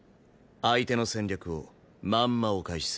相手の戦略をまんまお返しする。